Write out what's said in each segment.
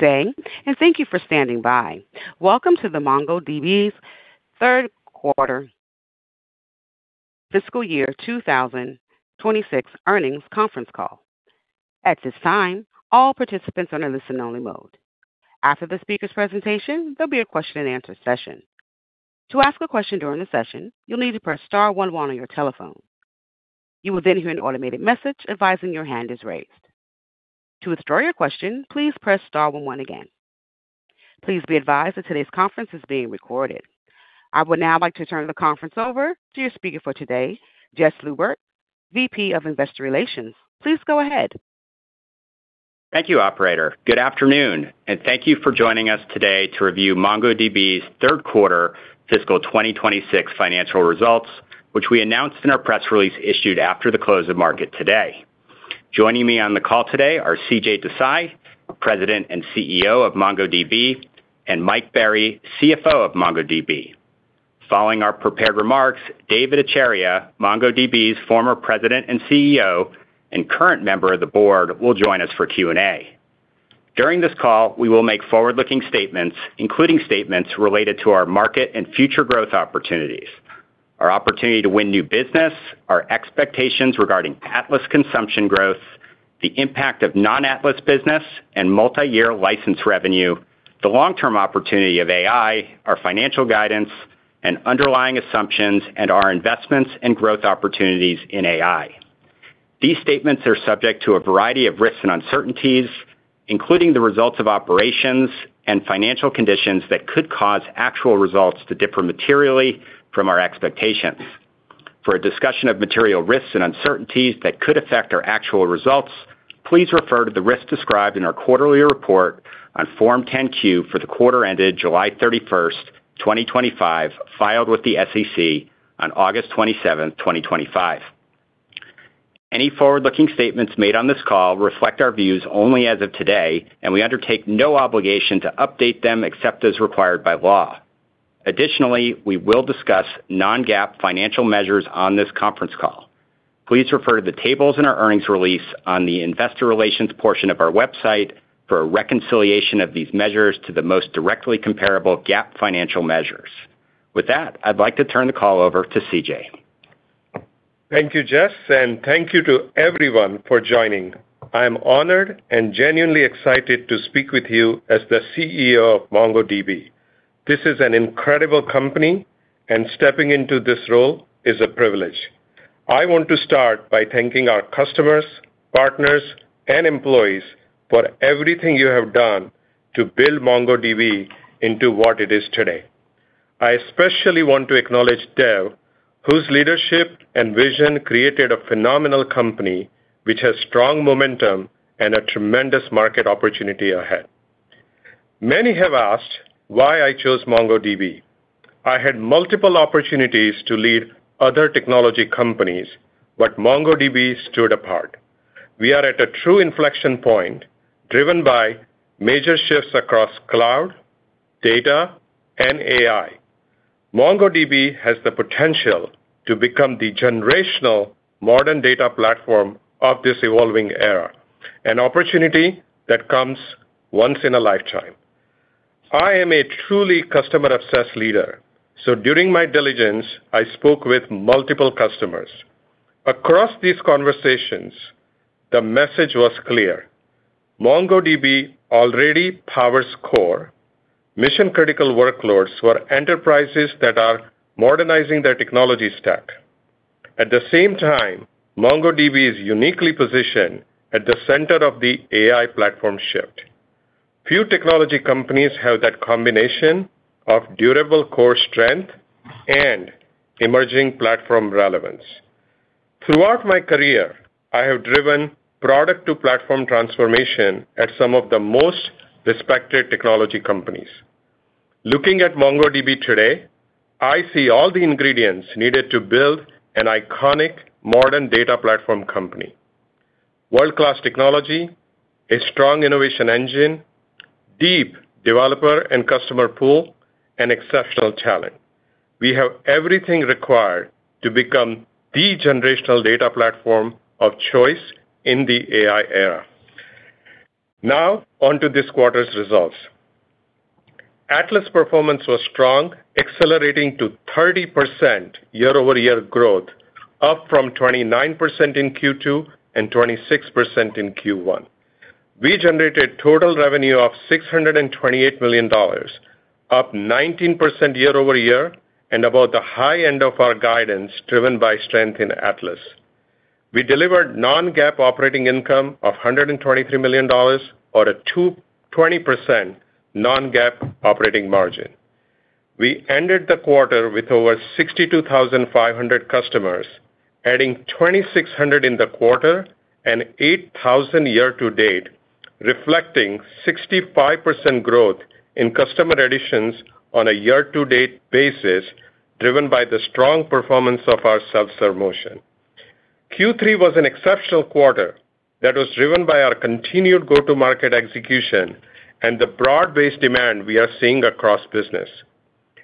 Today, and thank you for standing by. Welcome to the MongoDB's third quarter, fiscal year 2026 earnings conference call. At this time, all participants are in a listen-only mode. After the speaker's presentation, there'll be a question-and-answer session. To ask a question during the session, you'll need to press star one one on your telephone. You will then hear an automated message advising your hand is raised. To withdraw your question, please press star one one again. Please be advised that today's conference is being recorded. I would now like to turn the conference over to your speaker for today, Jess Lubert, VP of Investor Relations. Please go ahead. Thank you, Operator. Good afternoon, and thank you for joining us today to review MongoDB's third quarter fiscal 2026 financial results, which we announced in our press release issued after the close of market today. Joining me on the call today are CJ Desai, President and CEO of MongoDB, and Mike Berry, CFO of MongoDB. Following our prepared remarks, Dev Ittycheria, MongoDB's former President and CEO and current member of the board, will join us for Q&A. During this call, we will make forward-looking statements, including statements related to our market and future growth opportunities, our opportunity to win new business, our expectations regarding Atlas consumption growth, the impact of non-Atlas business and multi-year license revenue, the long-term opportunity of AI, our financial guidance, and underlying assumptions and our investments and growth opportunities in AI. These statements are subject to a variety of risks and uncertainties, including the results of operations and financial conditions that could cause actual results to differ materially from our expectations. For a discussion of material risks and uncertainties that could affect our actual results, please refer to the risks described in our quarterly report on Form 10-Q for the quarter ended July 31, 2025, filed with the SEC on August 27, 2025. Any forward-looking statements made on this call reflect our views only as of today, and we undertake no obligation to update them except as required by law. Additionally, we will discuss non-GAAP financial measures on this conference call. Please refer to the tables in our earnings release on the investor relations portion of our website for a reconciliation of these measures to the most directly comparable GAAP financial measures. With that, I'd like to turn the call over to CJ. Thank you, Jess, and thank you to everyone for joining. I am honored and genuinely excited to speak with you as the CEO of MongoDB. This is an incredible company, and stepping into this role is a privilege. I want to start by thanking our customers, partners, and employees for everything you have done to build MongoDB into what it is today. I especially want to acknowledge Dev, whose leadership and vision created a phenomenal company which has strong momentum and a tremendous market opportunity ahead. Many have asked why I chose MongoDB. I had multiple opportunities to lead other technology companies, but MongoDB stood apart. We are at a true inflection point, driven by major shifts across cloud, data, and AI. MongoDB has the potential to become the generational modern data platform of this evolving era, an opportunity that comes once in a lifetime. I am a truly customer-obsessed leader, so during my diligence, I spoke with multiple customers. Across these conversations, the message was clear. MongoDB already powers core, mission-critical workloads for enterprises that are modernizing their technology stack. At the same time, MongoDB is uniquely positioned at the center of the AI platform shift. Few technology companies have that combination of durable core strength and emerging platform relevance. Throughout my career, I have driven product-to-platform transformation at some of the most respected technology companies. Looking at MongoDB today, I see all the ingredients needed to build an iconic modern data platform company. World-class technology, a strong innovation engine, a deep developer and customer pool, and exceptional talent. We have everything required to become the generational data platform of choice in the AI era. Now, on to this quarter's results. Atlas performance was strong, accelerating to 30% year-over-year growth, up from 29% in Q2 and 26% in Q1. We generated total revenue of $628 million, up 19% year-over-year and about the high end of our guidance driven by strength in Atlas. We delivered non-GAAP operating income of $123 million, or a 20% non-GAAP operating margin. We ended the quarter with over 62,500 customers, adding 2,600 in the quarter and 8,000 year-to-date, reflecting 65% growth in customer additions on a year-to-date basis, driven by the strong performance of our self-serve motion. Q3 was an exceptional quarter that was driven by our continued go-to-market execution and the broad-based demand we are seeing across business.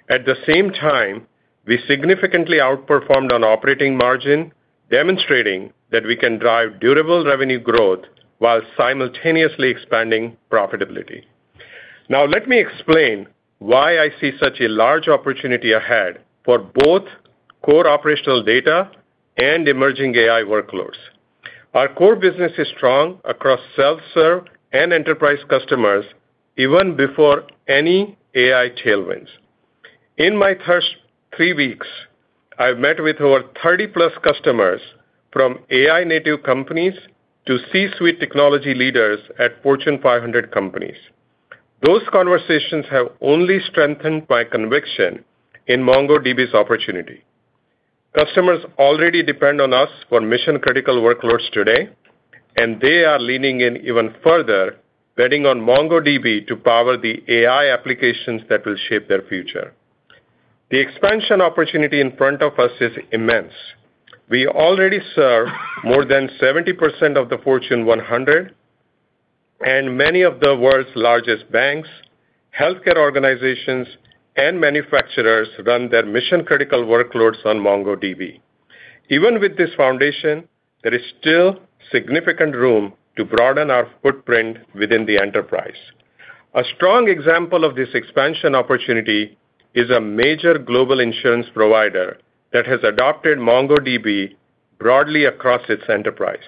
At the same time, we significantly outperformed on operating margin, demonstrating that we can drive durable revenue growth while simultaneously expanding profitability. Now, let me explain why I see such a large opportunity ahead for both core operational data and emerging AI workloads. Our core business is strong across self-serve and enterprise customers, even before any AI tailwinds. In my first three weeks, I've met with over 30-plus customers from AI-native companies to C-suite technology leaders at Fortune 500 companies. Those conversations have only strengthened my conviction in MongoDB's opportunity. Customers already depend on us for mission-critical workloads today, and they are leaning in even further, betting on MongoDB to power the AI applications that will shape their future. The expansion opportunity in front of us is immense. We already serve more than 70% of the Fortune 100, and many of the world's largest banks, healthcare organizations, and manufacturers run their mission-critical workloads on MongoDB. Even with this foundation, there is still significant room to broaden our footprint within the enterprise. A strong example of this expansion opportunity is a major global insurance provider that has adopted MongoDB broadly across its enterprise.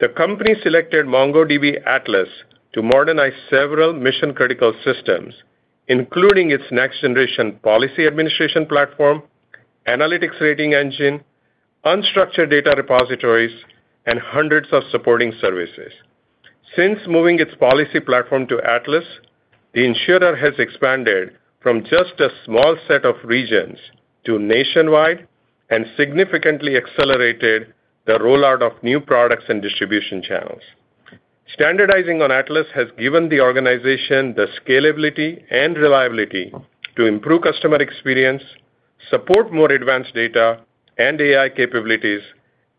The company selected MongoDB Atlas to modernize several mission-critical systems, including its next-generation policy administration platform, analytics rating engine, unstructured data repositories, and hundreds of supporting services. Since moving its policy platform to Atlas, the insurer has expanded from just a small set of regions to nationwide and significantly accelerated the rollout of new products and distribution channels. Standardizing on Atlas has given the organization the scalability and reliability to improve customer experience, support more advanced data and AI capabilities,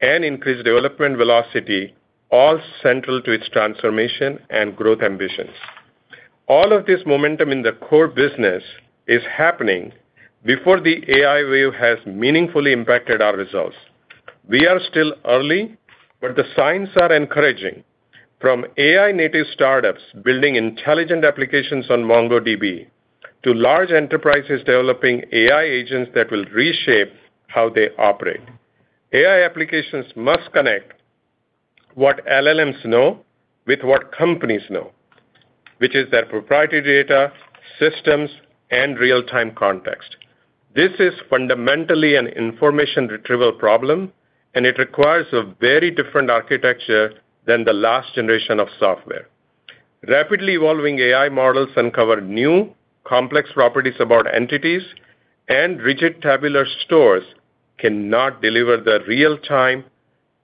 and increase development velocity, all central to its transformation and growth ambitions. All of this momentum in the core business is happening before the AI wave has meaningfully impacted our results. We are still early, but the signs are encouraging. From AI-native startups building intelligent applications on MongoDB to large enterprises developing AI agents that will reshape how they operate, AI applications must connect what LLMs know with what companies know, which is their proprietary data, systems, and real-time context. This is fundamentally an information retrieval problem, and it requires a very different architecture than the last generation of software. Rapidly evolving AI models uncover new complex properties about entities, and rigid tabular stores cannot deliver the real-time,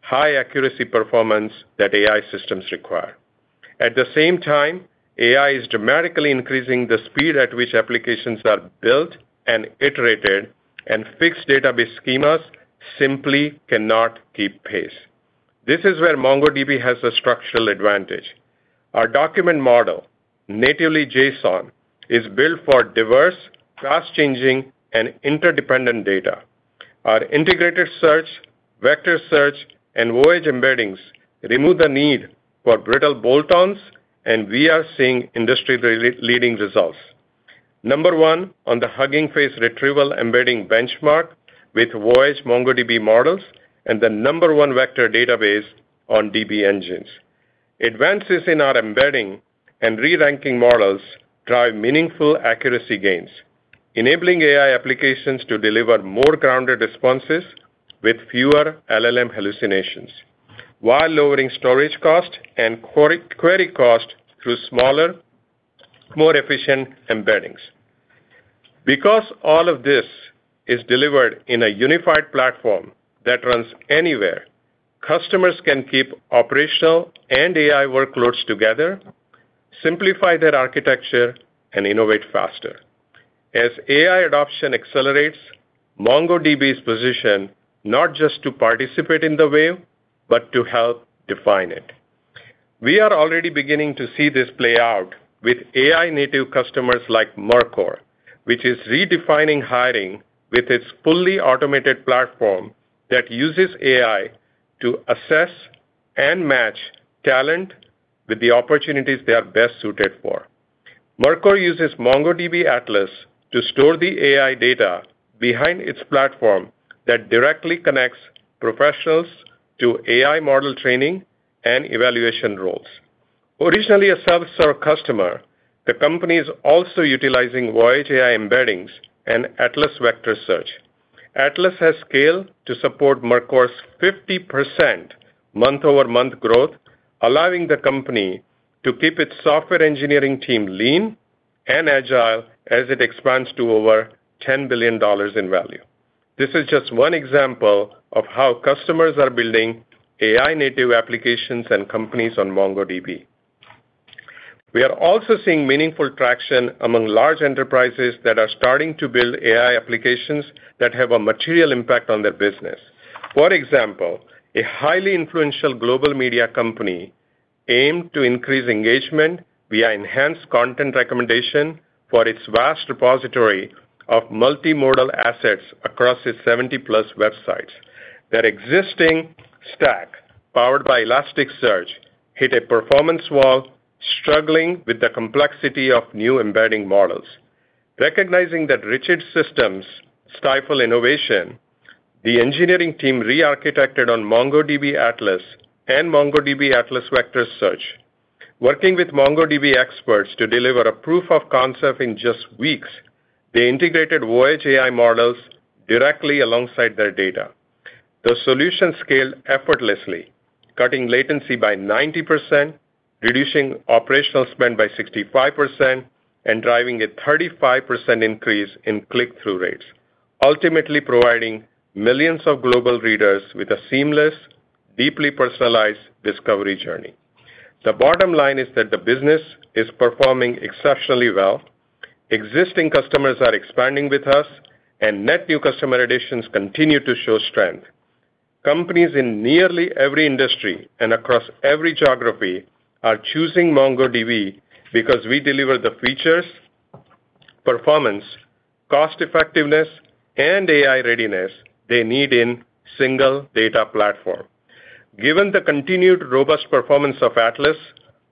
high-accuracy performance that AI systems require. At the same time, AI is dramatically increasing the speed at which applications are built and iterated, and fixed database schemas simply cannot keep pace. This is where MongoDB has a structural advantage. Our document model, natively JSON, is built for diverse, fast-changing, and interdependent data. Our integrated search, vector search, and voyage embeddings remove the need for brittle bolt-ons, and we are seeing industry-leading results. Number one on the Hugging Face retrieval embedding benchmark with Voyage AI MongoDB models and the number one vector database on DB engines. Advances in our embedding and re-ranking models drive meaningful accuracy gains, enabling AI applications to deliver more grounded responses with fewer LLM hallucinations while lowering storage cost and query cost through smaller, more efficient embeddings. Because all of this is delivered in a unified platform that runs anywhere, customers can keep operational and AI workloads together, simplify their architecture, and innovate faster. As AI adoption accelerates, MongoDB's position not just to participate in the wave, but to help define it. We are already beginning to see this play out with AI-native customers like Mercor, which is redefining hiring with its fully automated platform that uses AI to assess and match talent with the opportunities they are best suited for. Mercor uses MongoDB Atlas to store the AI data behind its platform that directly connects professionals to AI model training and evaluation roles. Originally a self-serve customer, the company is also utilizing Voyage AI embeddings and Atlas Vector Search. Atlas has scale to support Mercor's 50% month-over-month growth, allowing the company to keep its software engineering team lean and agile as it expands to over $10 billion in value. This is just one example of how customers are building AI-native applications and companies on MongoDB. We are also seeing meaningful traction among large enterprises that are starting to build AI applications that have a material impact on their business. For example, a highly influential global media company aimed to increase engagement via enhanced content recommendation for its vast repository of multimodal assets across its 70-plus websites. Their existing stack, powered by Elasticsearch, hit a performance wall, struggling with the complexity of new embedding models. Recognizing that rigid systems stifle innovation, the engineering team re-architected on MongoDB Atlas and MongoDB Atlas Vector Search. Working with MongoDB experts to deliver a proof of concept in just weeks, they integrated Voyage AI models directly alongside their data. The solution scaled effortlessly, cutting latency by 90%, reducing operational spend by 65%, and driving a 35% increase in click-through rates, ultimately providing millions of global readers with a seamless, deeply personalized discovery journey. The bottom line is that the business is performing exceptionally well. Existing customers are expanding with us, and net new customer additions continue to show strength. Companies in nearly every industry and across every geography are choosing MongoDB because we deliver the features, performance, cost-effectiveness, and AI readiness they need in a single data platform. Given the continued robust performance of Atlas,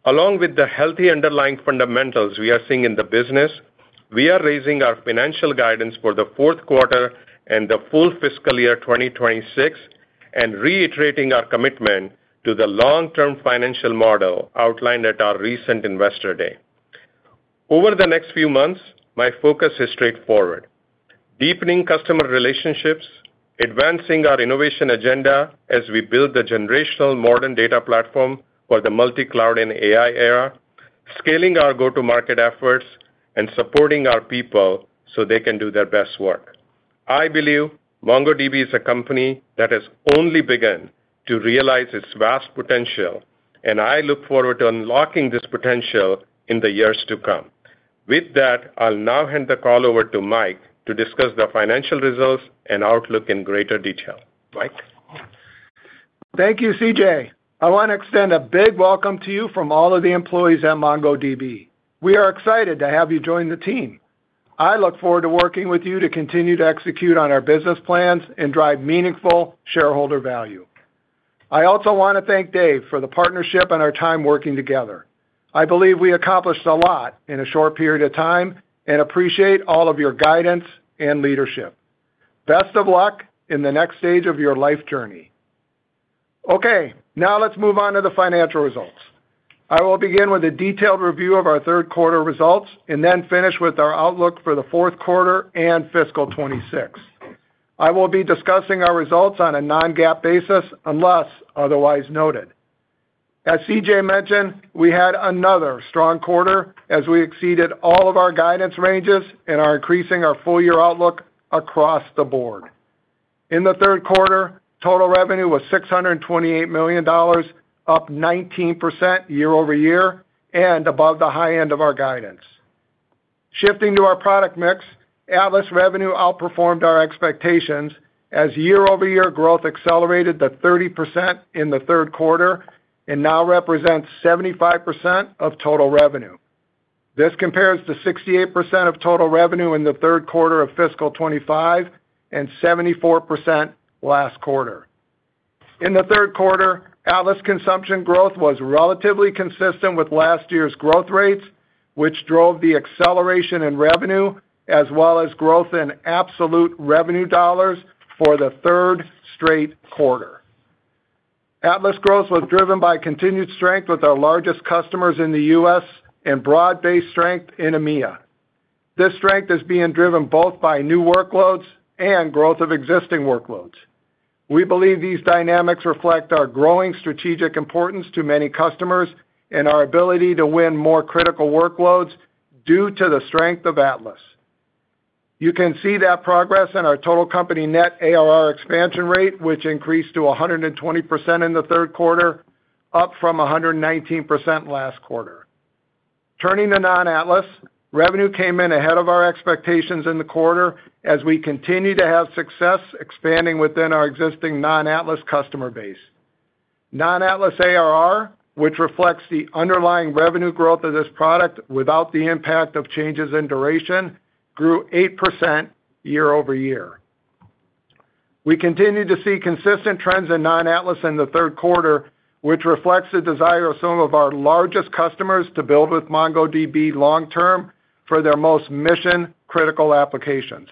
along with the healthy underlying fundamentals we are seeing in the business, we are raising our financial guidance for the fourth quarter and the full fiscal year 2026 and reiterating our commitment to the long-term financial model outlined at our recent investor day. Over the next few months, my focus is straightforward: deepening customer relationships, advancing our innovation agenda as we build the generational modern data platform for the multi-cloud and AI era, scaling our go-to-market efforts, and supporting our people so they can do their best work. I believe MongoDB is a company that has only begun to realize its vast potential, and I look forward to unlocking this potential in the years to come. With that, I'll now hand the call over to Mike to discuss the financial results and outlook in greater detail. Mike. Thank you, CJ. I want to extend a big welcome to you from all of the employees at MongoDB. We are excited to have you join the team. I look forward to working with you to continue to execute on our business plans and drive meaningful shareholder value. I also want to thank Dev for the partnership and our time working together. I believe we accomplished a lot in a short period of time and appreciate all of your guidance and leadership. Best of luck in the next stage of your life journey. Okay, now let's move on to the financial results. I will begin with a detailed review of our third quarter results and then finish with our outlook for the fourth quarter and fiscal 2026. I will be discussing our results on a non-GAAP basis unless otherwise noted. As CJ mentioned, we had another strong quarter as we exceeded all of our guidance ranges and are increasing our full-year outlook across the board. In the third quarter, total revenue was $628 million, up 19% year-over-year and above the high end of our guidance. Shifting to our product mix, Atlas revenue outperformed our expectations as year-over-year growth accelerated to 30% in the third quarter and now represents 75% of total revenue. This compares to 68% of total revenue in the third quarter of fiscal 2025 and 74% last quarter. In the third quarter, Atlas consumption growth was relatively consistent with last year's growth rates, which drove the acceleration in revenue as well as growth in absolute revenue dollars for the third straight quarter. Atlas growth was driven by continued strength with our largest customers in the U.S. and broad-based strength in EMEA. This strength is being driven both by new workloads and growth of existing workloads. We believe these dynamics reflect our growing strategic importance to many customers and our ability to win more critical workloads due to the strength of Atlas. You can see that progress in our total company net ARR expansion rate, which increased to 120% in the third quarter, up from 119% last quarter. Turning to non-Atlas, revenue came in ahead of our expectations in the quarter as we continue to have success expanding within our existing non-Atlas customer base. Non-Atlas ARR, which reflects the underlying revenue growth of this product without the impact of changes in duration, grew 8% year-over-year. We continue to see consistent trends in non-Atlas in the third quarter, which reflects the desire of some of our largest customers to build with MongoDB long-term for their most mission-critical applications.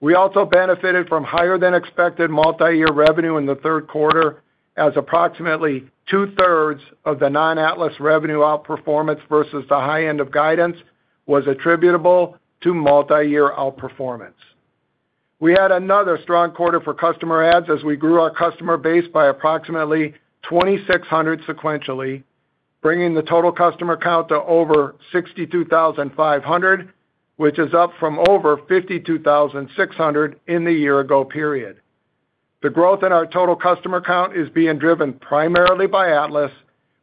We also benefited from higher-than-expected multi-year revenue in the third quarter as approximately two-thirds of the non-Atlas revenue outperformance versus the high end of guidance was attributable to multi-year outperformance. We had another strong quarter for customer adds as we grew our customer base by approximately 2,600 sequentially, bringing the total customer count to over 62,500, which is up from over 52,600 in the year-ago period. The growth in our total customer count is being driven primarily by Atlas,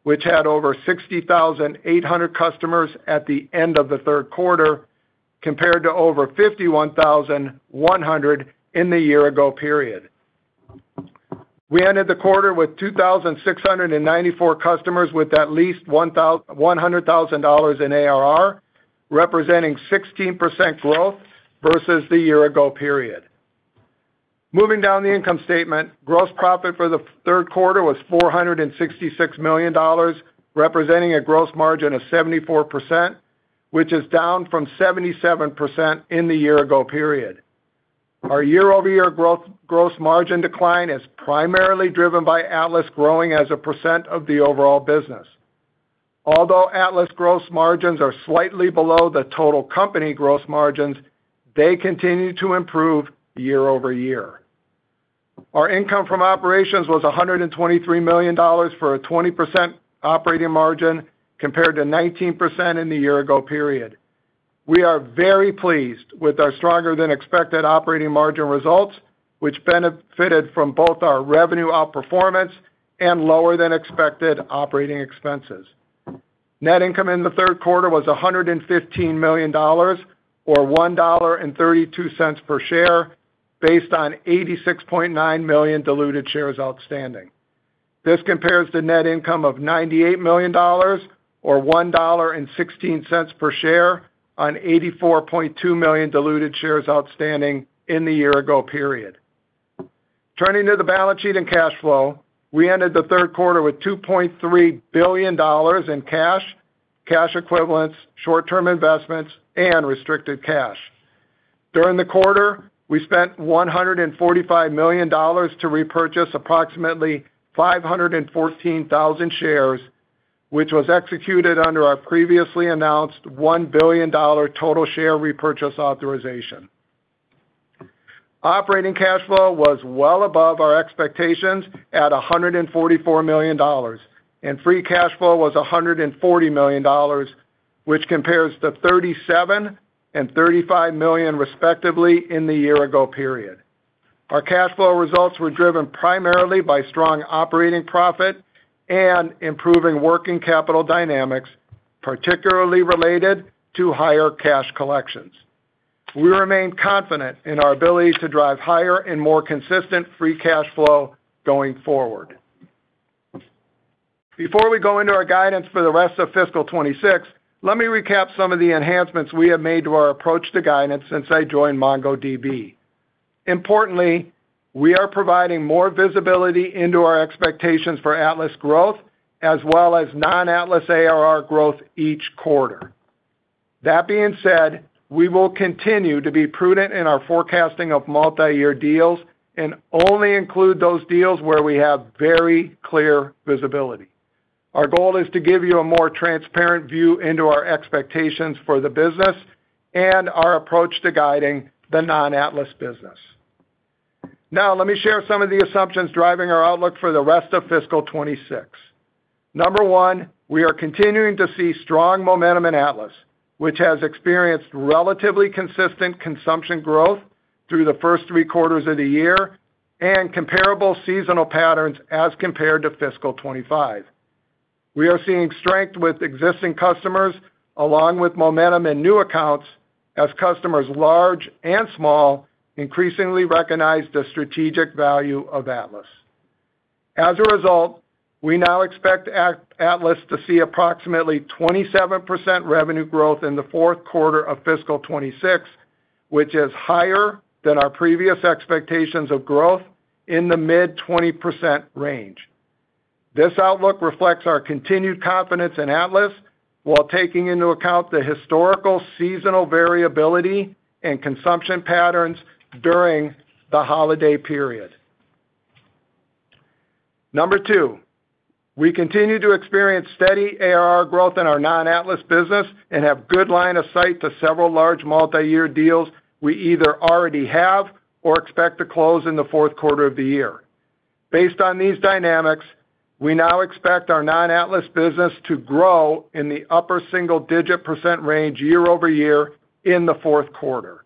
which had over 60,800 customers at the end of the third quarter compared to over 51,100 in the year-ago period. We ended the quarter with 2,694 customers with at least $100,000 in ARR, representing 16% growth versus the year-ago period. Moving down the income statement, gross profit for the third quarter was $466 million, representing a gross margin of 74%, which is down from 77% in the year-ago period. Our year-over-year gross margin decline is primarily driven by Atlas growing as a percent of the overall business. Although Atlas gross margins are slightly below the total company gross margins, they continue to improve year-over-year. Our income from operations was $123 million for a 20% operating margin compared to 19% in the year-ago period. We are very pleased with our stronger-than-expected operating margin results, which benefited from both our revenue outperformance and lower-than-expected operating expenses. Net income in the third quarter was $115 million, or $1.32 per share, based on 86.9 million diluted shares outstanding. This compares to net income of $98 million, or $1.16 per share, on 84.2 million diluted shares outstanding in the year-ago period. Turning to the balance sheet and cash flow, we ended the third quarter with $2.3 billion in cash, cash equivalents, short-term investments, and restricted cash. During the quarter, we spent $145 million to repurchase approximately 514,000 shares, which was executed under our previously announced $1 billion total share repurchase authorization. Operating cash flow was well above our expectations at $144 million, and free cash flow was $140 million, which compares to $37 million and $35 million respectively in the year-ago period. Our cash flow results were driven primarily by strong operating profit and improving working capital dynamics, particularly related to higher cash collections. We remain confident in our ability to drive higher and more consistent free cash flow going forward. Before we go into our guidance for the rest of fiscal 2026, let me recap some of the enhancements we have made to our approach to guidance since I joined MongoDB. Importantly, we are providing more visibility into our expectations for Atlas growth as well as non-Atlas ARR growth each quarter. That being said, we will continue to be prudent in our forecasting of multi-year deals and only include those deals where we have very clear visibility. Our goal is to give you a more transparent view into our expectations for the business and our approach to guiding the non-Atlas business. Now, let me share some of the assumptions driving our outlook for the rest of fiscal 2026. Number one, we are continuing to see strong momentum in Atlas, which has experienced relatively consistent consumption growth through the first three quarters of the year and comparable seasonal patterns as compared to fiscal 2025. We are seeing strength with existing customers along with momentum in new accounts as customers large and small increasingly recognize the strategic value of Atlas. As a result, we now expect Atlas to see approximately 27% revenue growth in the fourth quarter of fiscal 2026, which is higher than our previous expectations of growth in the mid-20% range. This outlook reflects our continued confidence in Atlas while taking into account the historical seasonal variability and consumption patterns during the holiday period. Number two, we continue to experience steady ARR growth in our non-Atlas business and have good line of sight to several large multi-year deals we either already have or expect to close in the fourth quarter of the year. Based on these dynamics, we now expect our non-Atlas business to grow in the upper single-digit percent range year-over-year in the fourth quarter.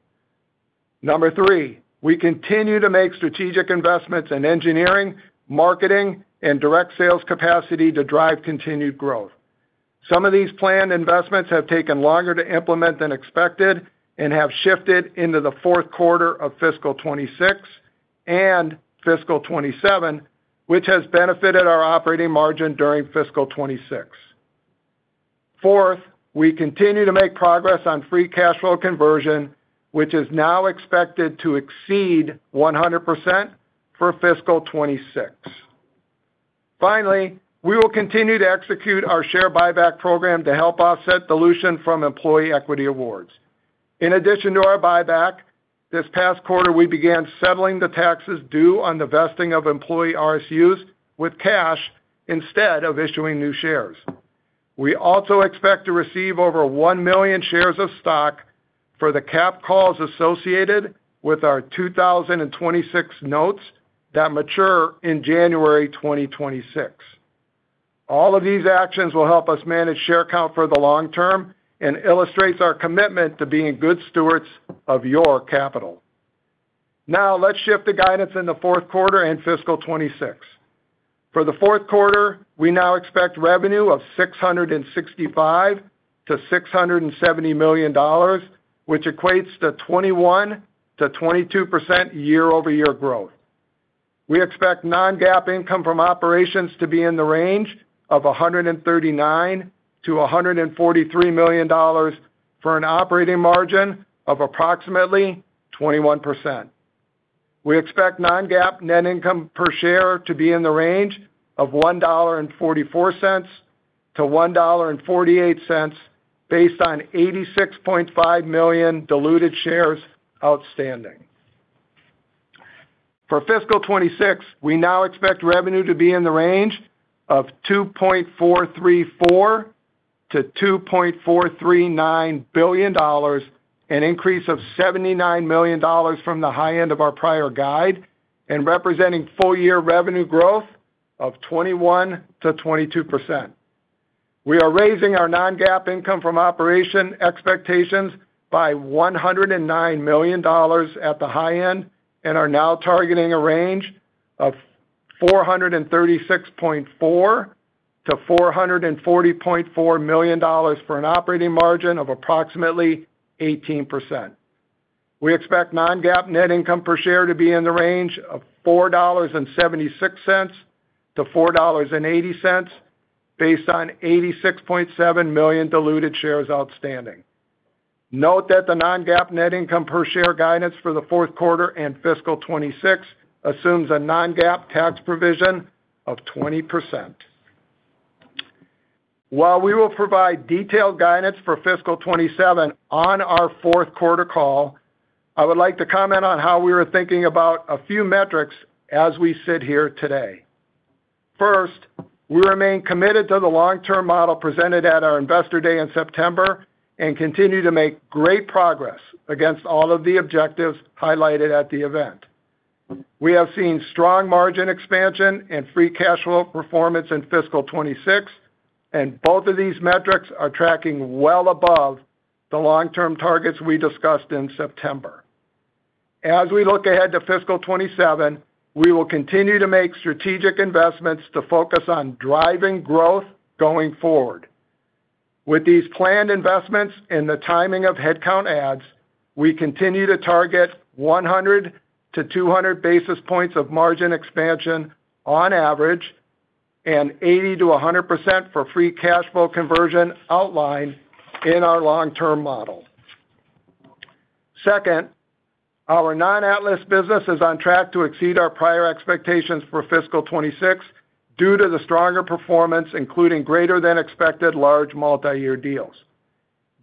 Number three, we continue to make strategic investments in engineering, marketing, and direct sales capacity to drive continued growth. Some of these planned investments have taken longer to implement than expected and have shifted into the fourth quarter of fiscal 2026 and fiscal 2027, which has benefited our operating margin during fiscal 2026. Fourth, we continue to make progress on free cash flow conversion, which is now expected to exceed 100% for fiscal 2026. Finally, we will continue to execute our share buyback program to help offset dilution from employee equity awards. In addition to our buyback, this past quarter we began settling the taxes due on the vesting of employee RSUs with cash instead of issuing new shares. We also expect to receive over 1 million shares of stock for the cap calls associated with our 2026 notes that mature in January 2026. All of these actions will help us manage share count for the long term and illustrate our commitment to being good stewards of your capital. Now, let's shift the guidance in the fourth quarter and fiscal 2026. For the fourth quarter, we now expect revenue of $665-$670 million, which equates to 21%-22% year-over-year growth. We expect non-GAAP income from operations to be in the range of $139-$143 million for an operating margin of approximately 21%. We expect non-GAAP net income per share to be in the range of $1.44-$1.48 based on 86.5 million diluted shares outstanding. For fiscal 2026, we now expect revenue to be in the range of $2.434-$2.439 billion, an increase of $79 million from the high end of our prior guide and representing full-year revenue growth of 21%-22%. We are raising our non-GAAP income from operation expectations by $109 million at the high end and are now targeting a range of $436.4-$440.4 million for an operating margin of approximately 18%. We expect non-GAAP net income per share to be in the range of $4.76-$4.80 based on 86.7 million diluted shares outstanding. Note that the non-GAAP net income per share guidance for the fourth quarter and fiscal 2026 assumes a non-GAAP tax provision of 20%. While we will provide detailed guidance for fiscal 2027 on our fourth quarter call, I would like to comment on how we were thinking about a few metrics as we sit here today. First, we remain committed to the long-term model presented at our Investor Day in September and continue to make great progress against all of the objectives highlighted at the event. We have seen strong margin expansion and free cash flow performance in fiscal 2026, and both of these metrics are tracking well above the long-term targets we discussed in September. As we look ahead to fiscal 2027, we will continue to make strategic investments to focus on driving growth going forward. With these planned investments and the timing of headcount adds, we continue to target 100-200 basis points of margin expansion on average and 80-100% for free cash flow conversion outlined in our long-term model. Second, our non-Atlas business is on track to exceed our prior expectations for fiscal 2026 due to the stronger performance, including greater-than-expected large multi-year deals.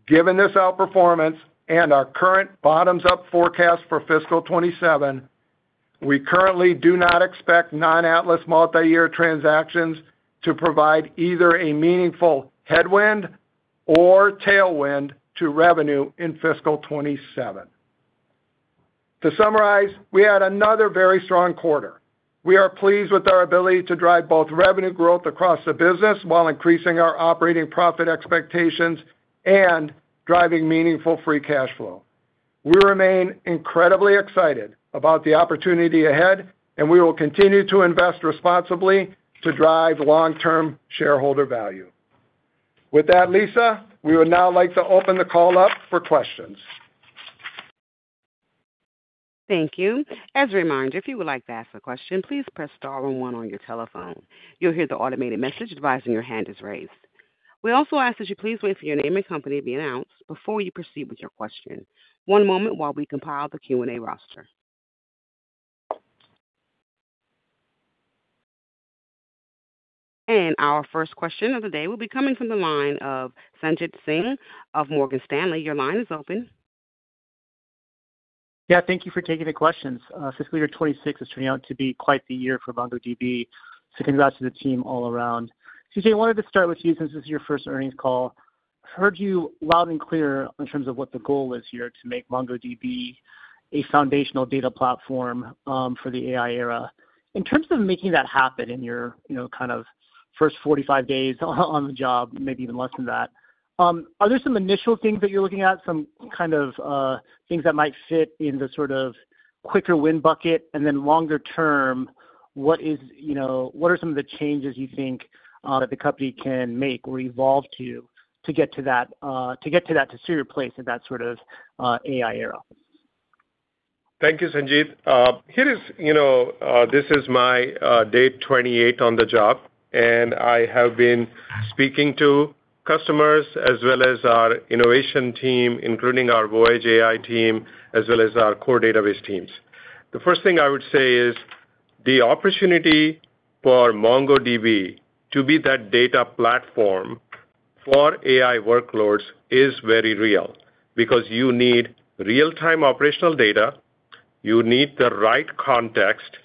Given this outperformance and our current bottoms-up forecast for fiscal 2027, we currently do not expect non-Atlas multi-year transactions to provide either a meaningful headwind or tailwind to revenue in fiscal 2027. To summarize, we had another very strong quarter. We are pleased with our ability to drive both revenue growth across the business while increasing our operating profit expectations and driving meaningful free cash flow. We remain incredibly excited about the opportunity ahead, and we will continue to invest responsibly to drive long-term shareholder value. With that, Lisa, we would now like to open the call up for questions. Thank you. As a reminder, if you would like to ask a question, please press star one one on your telephone. You'll hear the automated message advising your hand is raised. We also ask that you please wait for your name and company to be announced before you proceed with your question. One moment while we compile the Q&A roster. Our first question of the day will be coming from the line of Sanjit Singh of Morgan Stanley. Your line is open. Yeah, thank you for taking the questions. Fiscal year 2026 is turning out to be quite the year for MongoDB. Congrats to the team all around. CJ, I wanted to start with you since this is your first earnings call. I've heard you loud and clear in terms of what the goal is here to make MongoDB a foundational data platform for the AI era. In terms of making that happen in your kind of first 45 days on the job, maybe even less than that, are there some initial things that you're looking at, some kind of things that might fit in the sort of quicker win bucket? Then longer term, what are some of the changes you think that the company can make or evolve to get to that, to get to that, to see your place in that sort of AI era? Thank you, Sanjit. Here is, this is my day 28 on the job, and I have been speaking to customers as well as our innovation team, including our Voyage AI team, as well as our core database teams. The first thing I would say is the opportunity for MongoDB to be that data platform for AI workloads is very real because you need real-time operational data, you need the right context,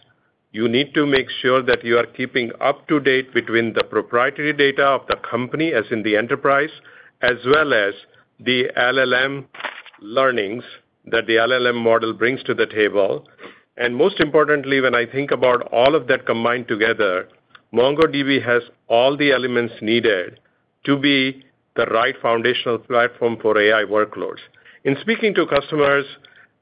you need to make sure that you are keeping up to date between the proprietary data of the company, as in the enterprise, as well as the LLM learnings that the LLM model brings to the table. Most importantly, when I think about all of that combined together, MongoDB has all the elements needed to be the right foundational platform for AI workloads. In speaking to customers,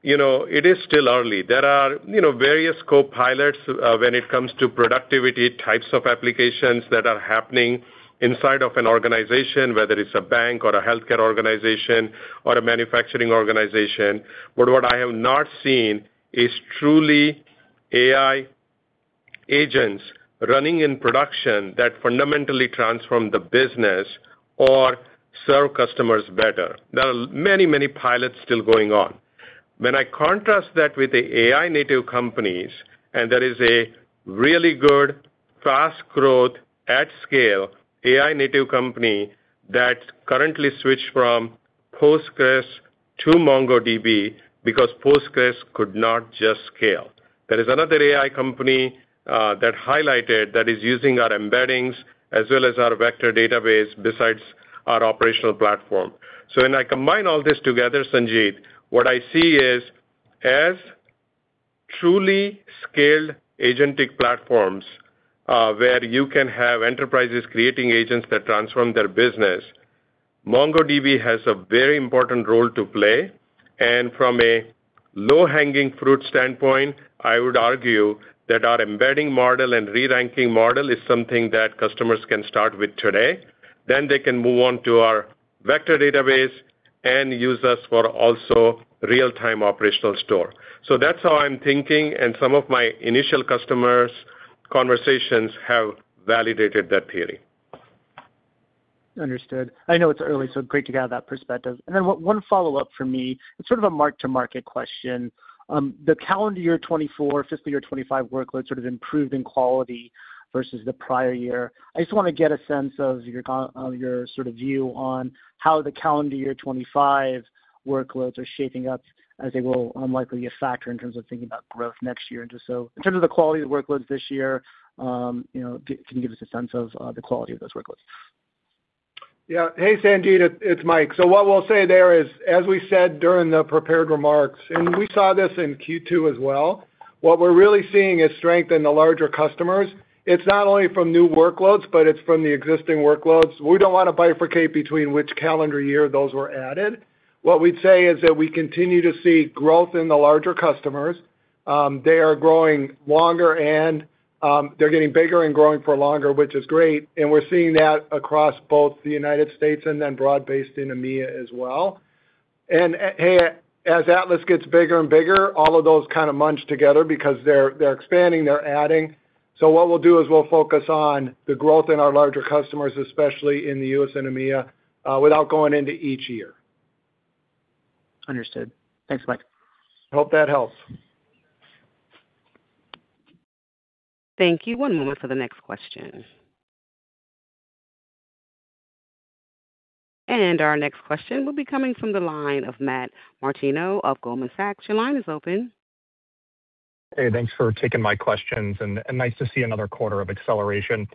it is still early. There are various co-pilots when it comes to productivity types of applications that are happening inside of an organization, whether it's a bank or a healthcare organization or a manufacturing organization. What I have not seen is truly AI agents running in production that fundamentally transform the business or serve customers better. There are many, many pilots still going on. When I contrast that with the AI-native companies, and there is a really good, fast growth at scale AI-native company that currently switched from Postgres to MongoDB because Postgres could not just scale. There is another AI company that highlighted that is using our embeddings as well as our vector database besides our operational platform. When I combine all this together, Sanjit, what I see is as truly scaled agentic platforms where you can have enterprises creating agents that transform their business, MongoDB has a very important role to play. From a low-hanging fruit standpoint, I would argue that our embedding model and re-ranking model is something that customers can start with today. They can move on to our vector database and use us for also real-time operational store. That is how I'm thinking, and some of my initial customers' conversations have validated that theory. Understood. I know it's early, so great to have that perspective. One follow-up for me, it's sort of a mark-to-market question. The calendar year 2024, fiscal year 2025 workloads sort of improved in quality versus the prior year. I just want to get a sense of your sort of view on how the calendar year 2025 workloads are shaping up as they will likely be a factor in terms of thinking about growth next year. Just in terms of the quality of workloads this year, can you give us a sense of the quality of those workloads? Yeah. Hey, Sanjit, it's Mike. What we'll say there is, as we said during the prepared remarks, and we saw this in Q2 as well, what we're really seeing is strength in the larger customers. It's not only from new workloads, but it's from the existing workloads. We don't want to bifurcate between which calendar year those were added. What we'd say is that we continue to see growth in the larger customers. They are growing longer and they're getting bigger and growing for longer, which is great. We're seeing that across both the United States and then broad-based in EMEA as well. Hey, as Atlas gets bigger and bigger, all of those kind of munch together because they're expanding, they're adding. What we'll do is we'll focus on the growth in our larger customers, especially in the United States and EMEA, without going into each year. Understood. Thanks, Mike. Hope that helps. Thank you. One moment for the next question. Our next question will be coming from the line of Matt Martino of Goldman Sachs. Your line is open. Hey, thanks for taking my questions, and nice to see another quarter of acceleration.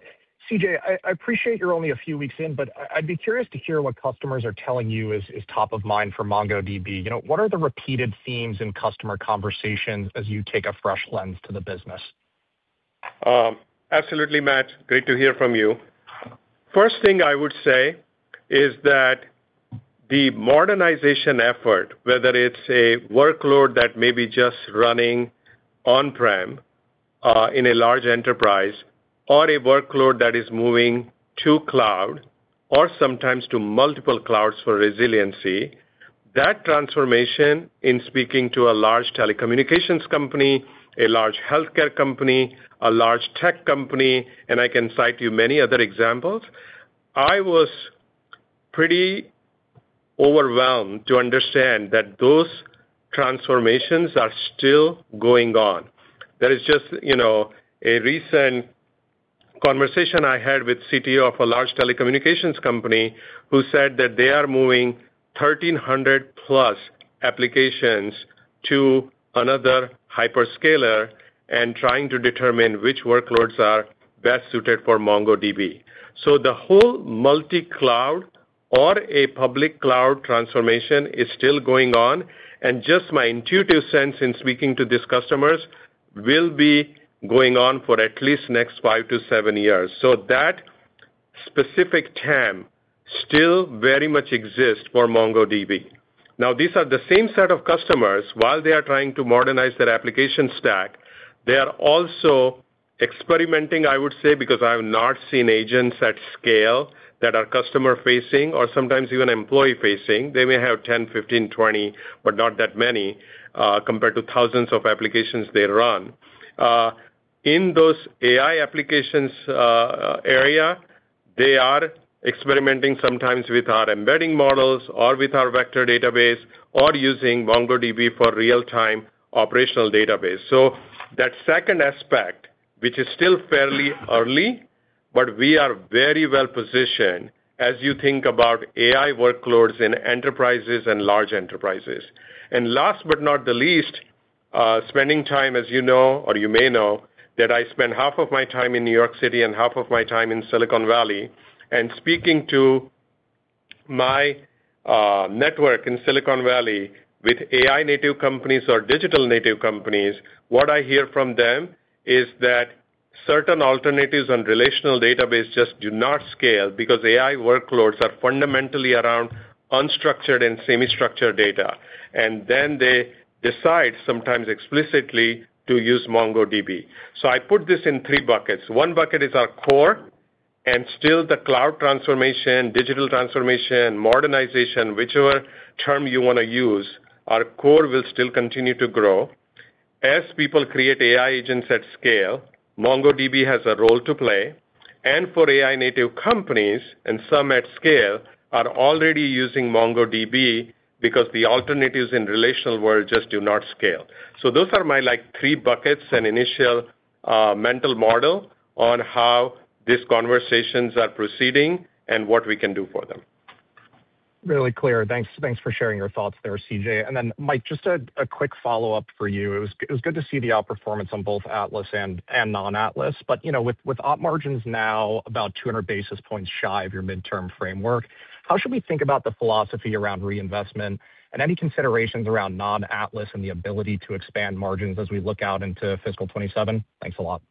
CJ, I appreciate you're only a few weeks in, but I'd be curious to hear what customers are telling you is top of mind for MongoDB. What are the repeated themes in customer conversations as you take a fresh lens to the business? Absolutely, Matt. Great to hear from you. First thing I would say is that the modernization effort, whether it's a workload that may be just running on-prem in a large enterprise or a workload that is moving to cloud or sometimes to multiple clouds for resiliency, that transformation in speaking to a large telecommunications company, a large healthcare company, a large tech company, and I can cite you many other examples, I was pretty overwhelmed to understand that those transformations are still going on. There is just a recent conversation I had with the CTO of a large telecommunications company who said that they are moving 1,300-plus applications to another hyperscaler and trying to determine which workloads are best suited for MongoDB. The whole multi-cloud or a public cloud transformation is still going on, and just my intuitive sense in speaking to these customers will be going on for at least the next five to seven years. That specific TAM still very much exists for MongoDB. Now, these are the same set of customers. While they are trying to modernize their application stack, they are also experimenting, I would say, because I have not seen agents at scale that are customer-facing or sometimes even employee-facing. They may have 10, 15, 20, but not that many compared to thousands of applications they run. In those AI applications area, they are experimenting sometimes with our embedding models or with our vector database or using MongoDB for real-time operational database. That second aspect, which is still fairly early, but we are very well positioned as you think about AI workloads in enterprises and large enterprises. Last but not the least, spending time, as you know, or you may know, that I spend half of my time in New York City and half of my time in Silicon Valley, and speaking to my network in Silicon Valley with AI-native companies or digital-native companies, what I hear from them is that certain alternatives on relational database just do not scale because AI workloads are fundamentally around unstructured and semi-structured data. Then they decide sometimes explicitly to use MongoDB. I put this in three buckets. One bucket is our core, and still the cloud transformation, digital transformation, modernization, whichever term you want to use, our core will still continue to grow. As people create AI agents at scale, MongoDB has a role to play. For AI-native companies, and some at scale, are already using MongoDB because the alternatives in the relational world just do not scale. Those are my three buckets and initial mental model on how these conversations are proceeding and what we can do for them. Really clear. Thanks for sharing your thoughts there, CJ. Mike, just a quick follow-up for you. It was good to see the outperformance on both Atlas and non-Atlas. With op margins now about 200 basis points shy of your midterm framework, how should we think about the philosophy around reinvestment and any considerations around non-Atlas and the ability to expand margins as we look out into fiscal 2027? Thanks a lot.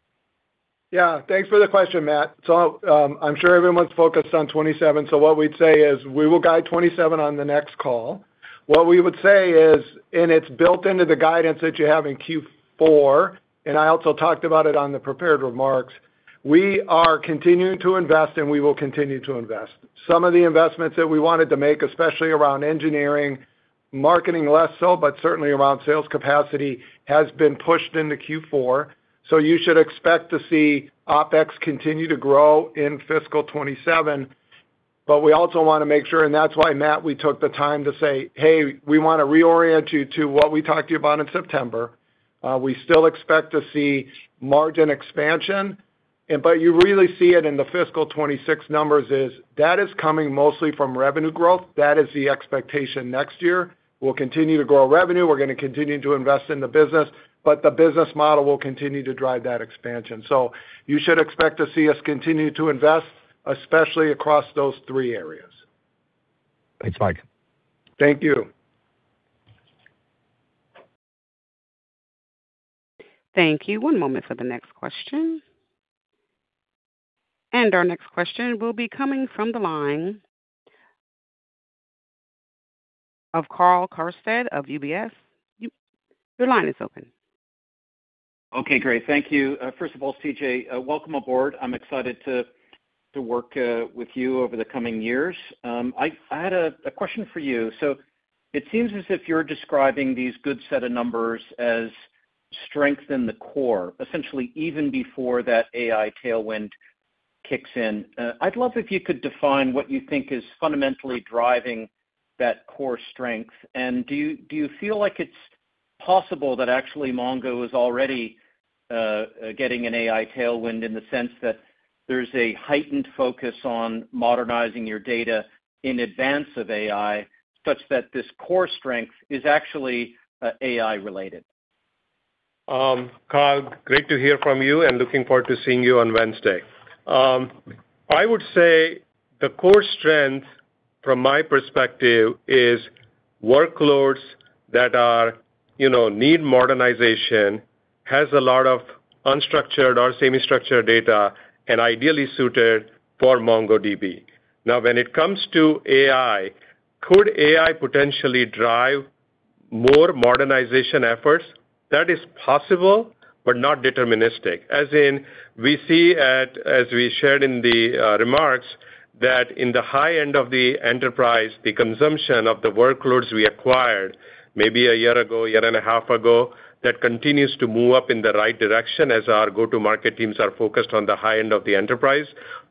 Yeah, thanks for the question, Matt. I'm sure everyone's focused on 2027. What we'd say is we will guide 2027 on the next call. What we would say is, and it's built into the guidance that you have in Q4, and I also talked about it on the prepared remarks, we are continuing to invest, and we will continue to invest. Some of the investments that we wanted to make, especially around engineering, marketing less so, but certainly around sales capacity, has been pushed into Q4. You should expect to see OpEx continue to grow in fiscal 2027. We also want to make sure, and that's why, Matt, we took the time to say, "Hey, we want to reorient you to what we talked to you about in September." We still expect to see margin expansion. You really see it in the fiscal 2026 numbers is that is coming mostly from revenue growth. That is the expectation next year. We'll continue to grow revenue. We're going to continue to invest in the business, but the business model will continue to drive that expansion. You should expect to see us continue to invest, especially across those three areas. Thanks, Mike. Thank you. Thank you. One moment for the next question. Our next question will be coming from the line of Karl Keirstead of UBS. Your line is open. Okay, great. Thank you. First of all, CJ, welcome aboard. I'm excited to work with you over the coming years. I had a question for you. It seems as if you're describing these good set of numbers as strength in the core, essentially even before that AI tailwind kicks in. I'd love if you could define what you think is fundamentally driving that core strength. Do you feel like it's possible that actually MongoDB is already getting an AI tailwind in the sense that there's a heightened focus on modernizing your data in advance of AI such that this core strength is actually AI-related? Karl, great to hear from you and looking forward to seeing you on Wednesday. I would say the core strength, from my perspective, is workloads that need modernization, have a lot of unstructured or semi-structured data, and ideally suited for MongoDB. Now, when it comes to AI, could AI potentially drive more modernization efforts? That is possible, but not deterministic. As in, we see at, as we shared in the remarks, that in the high end of the enterprise, the consumption of the workloads we acquired maybe a year ago, year and a half ago, that continues to move up in the right direction as our go-to-market teams are focused on the high end of the enterprise.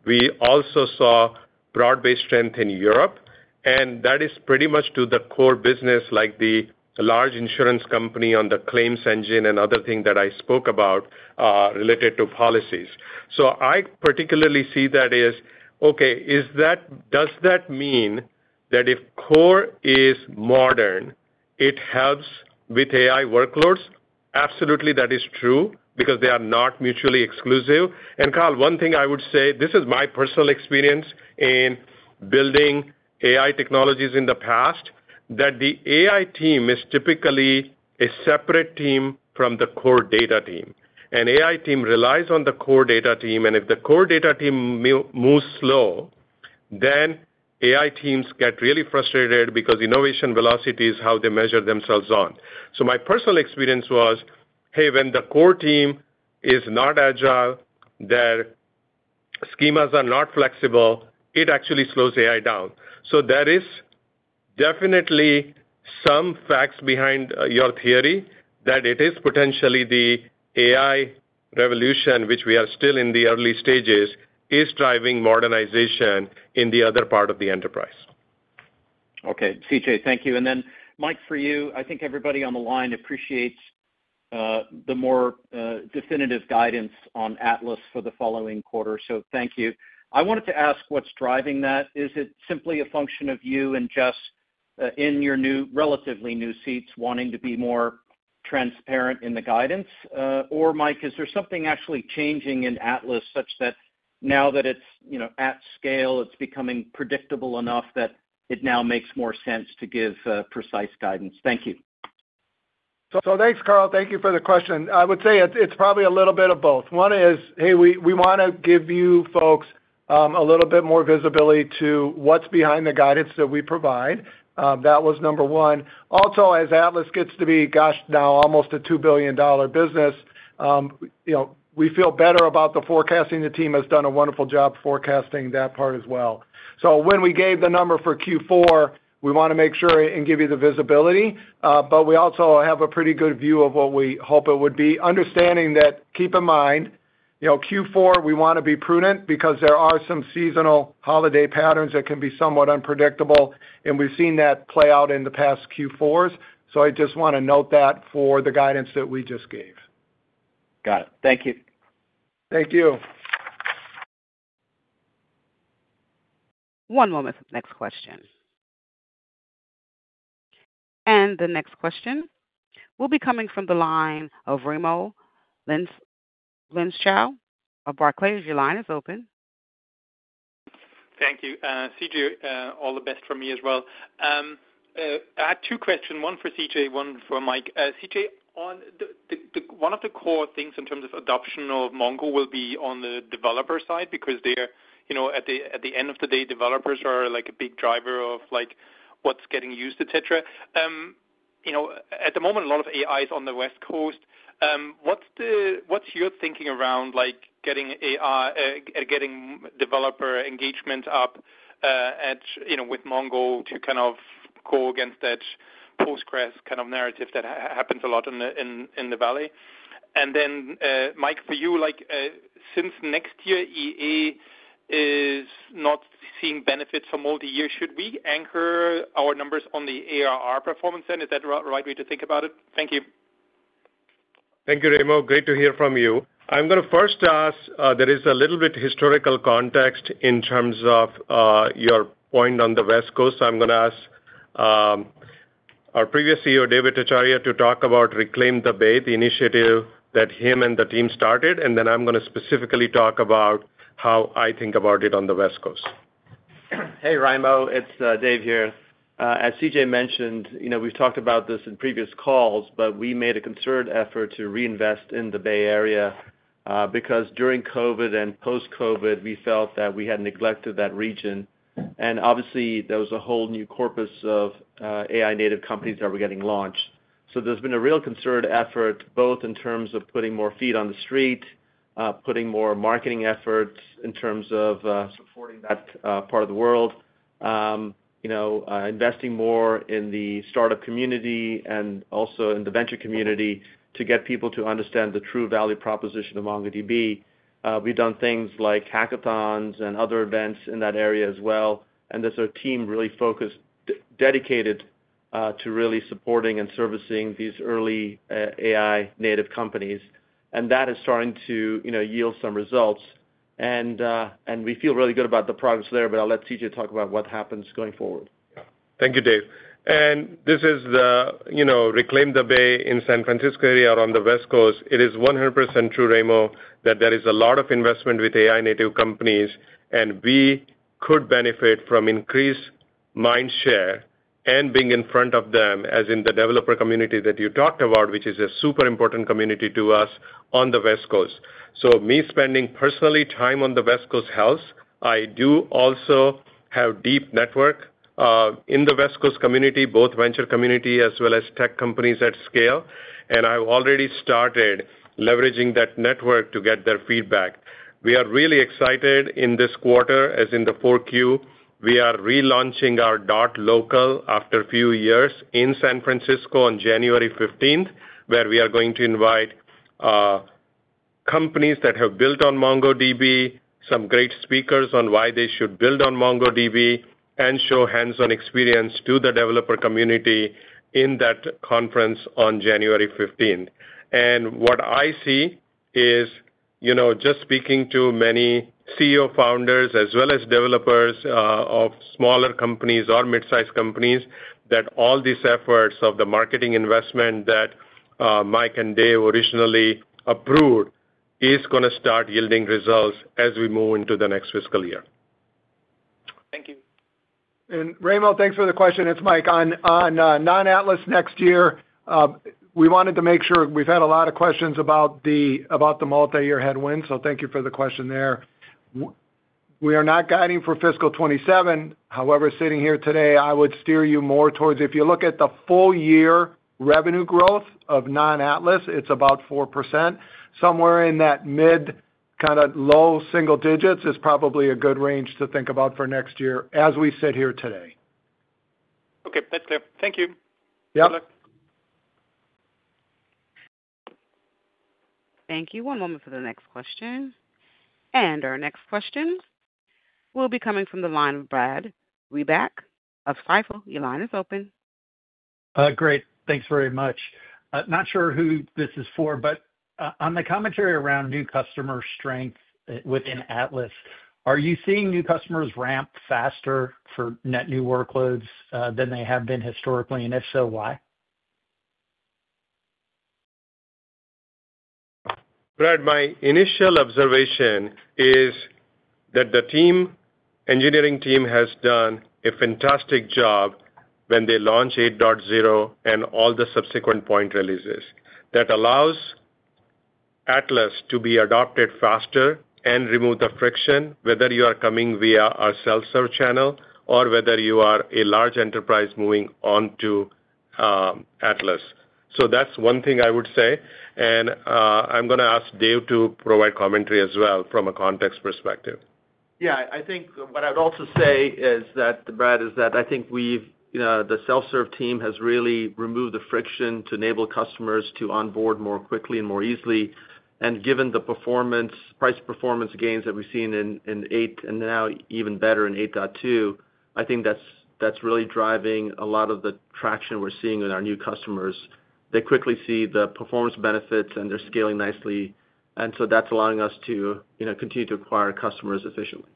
We also saw broad-based strength in Europe, and that is pretty much to the core business, like the large insurance company on the claims engine and other things that I spoke about related to policies. I particularly see that as, okay, does that mean that if core is modern, it helps with AI workloads? Absolutely, that is true because they are not mutually exclusive. Karl, one thing I would say, this is my personal experience in building AI technologies in the past, that the AI team is typically a separate team from the core data team. An AI team relies on the core data team, and if the core data team moves slow, then AI teams get really frustrated because innovation velocity is how they measure themselves on. My personal experience was, hey, when the core team is not agile, their schemas are not flexible, it actually slows AI down. There is definitely some facts behind your theory that it is potentially the AI revolution, which we are still in the early stages, is driving modernization in the other part of the enterprise. Okay. CJ, thank you. Mike, for you, I think everybody on the line appreciates the more definitive guidance on Atlas for the following quarter. Thank you. I wanted to ask what's driving that. Is it simply a function of you and just in your relatively new seats wanting to be more transparent in the guidance? Mike, is there something actually changing in Atlas such that now that it's at scale, it's becoming predictable enough that it now makes more sense to give precise guidance? Thank you. Thanks, Karl. Thank you for the question. I would say it's probably a little bit of both. One is, hey, we want to give you folks a little bit more visibility to what's behind the guidance that we provide. That was number one. Also, as Atlas gets to be, gosh, now almost a $2 billion business, we feel better about the forecasting. The team has done a wonderful job forecasting that part as well. When we gave the number for Q4, we want to make sure and give you the visibility, but we also have a pretty good view of what we hope it would be, understanding that, keep in mind, Q4, we want to be prudent because there are some seasonal holiday patterns that can be somewhat unpredictable, and we've seen that play out in the past Q4s. I just want to note that for the guidance that we just gave. Got it. Thank you. Thank you. One moment for the next question. The next question will be coming from the line of Raimo Lenschow of Barclays. Your line is open. Thank you. CJ, all the best from me as well. I had two questions, one for CJ, one for Mike. CJ, one of the core things in terms of adoption of Mongo will be on the developer side because at the end of the day, developers are a big driver of what's getting used, etc. At the moment, a lot of AI is on the West Coast. What's your thinking around getting developer engagement up with Mongo to kind of go against that Postgres kind of narrative that happens a lot in the valley? Mike, for you, since next year EA is not seeing benefits from all the years, should we anchor our numbers on the ARR performance then? Is that the right way to think about it? Thank you. Thank you, Raimo. Great to hear from you. I'm going to first ask, there is a little bit historical context in terms of your point on the West Coast. I'm going to ask our previous CEO, Dev Ittycheria, to talk about Reclaim the Bay initiative that he and the team started, and then I'm going to specifically talk about how I think about it on the West Coast. Hey, Raimo. It's Dev here. As CJ mentioned, we've talked about this in previous calls, but we made a concerted effort to reinvest in the Bay Area because during COVID and post-COVID, we felt that we had neglected that region. There was a whole new corpus of AI-native companies that were getting launched. There has been a real concerted effort both in terms of putting more feet on the street, putting more marketing efforts in terms of supporting that part of the world, investing more in the startup community and also in the venture community to get people to understand the true value proposition of MongoDB. We've done things like hackathons and other events in that area as well. There is a team really focused, dedicated to really supporting and servicing these early AI-native companies. That is starting to yield some results. We feel really good about the progress there, but I'll let CJ talk about what happens going forward. Thank you, Dev. This is the Reclaim the Bay in San Francisco area or on the West Coast. It is 100% true, Raimo, that there is a lot of investment with AI-native companies, and we could benefit from increased mind share and being in front of them, as in the developer community that you talked about, which is a super important community to us on the West Coast. Me spending personally time on the West Coast helps. I do also have a deep network in the West Coast community, both venture community as well as tech companies at scale. I have already started leveraging that network to get their feedback. We are really excited in this quarter, as in the 4Q, we are relaunching our .local after a few years in San Francisco on January 15th, where we are going to invite companies that have built on MongoDB, some great speakers on why they should build on MongoDB, and show hands-on experience to the developer community in that conference on January 15th. What I see is, just speaking to many CEO founders as well as developers of smaller companies or mid-sized companies, that all these efforts of the marketing investment that Mike and Dev originally approved is going to start yielding results as we move into the next fiscal year. Thank you. Raimo, thanks for the question. It's Mike. On non-Atlas next year, we wanted to make sure we've had a lot of questions about the multi-year headwind, so thank you for the question there. We are not guiding for fiscal 2027. However, sitting here today, I would steer you more towards if you look at the full-year revenue growth of non-Atlas, it's about 4%. Somewhere in that mid kind of low single digits is probably a good range to think about for next year as we sit here today. Okay. That's clear. Thank you. Yep. Thank you. One moment for the next question. Our next question will be coming from the line of Brad Reback of Stifel. Your line is open. Great. Thanks very much. Not sure who this is for, but on the commentary around new customer strength within Atlas, are you seeing new customers ramp faster for net new workloads than they have been historically? If so, why? Brad, my initial observation is that the engineering team has done a fantastic job when they launch 8.0 and all the subsequent point releases. That allows Atlas to be adopted faster and remove the friction, whether you are coming via our self-serve channel or whether you are a large enterprise moving on to Atlas. That is one thing I would say. I am going to ask Dev to provide commentary as well from a context perspective. Yeah. I think what I would also say is that, Brad, is that I think the self-serve team has really removed the friction to enable customers to onboard more quickly and more easily. Given the price performance gains that we've seen in 8.0 and now even better in 8.2, I think that's really driving a lot of the traction we're seeing with our new customers. They quickly see the performance benefits, and they're scaling nicely. That is allowing us to continue to acquire customers efficiently.